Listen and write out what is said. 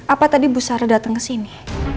apa tadi bu sara datang ke sini